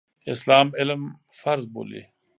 اسلام علم فرض بولي.